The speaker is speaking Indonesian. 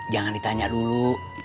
jangan ditanya dulu